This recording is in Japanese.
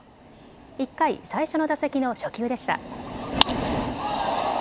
１回、最初の打席の初球でした。